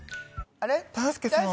あれ？